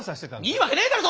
いいわけねえだろ